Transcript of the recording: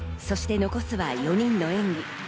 そして残すは４人の演技。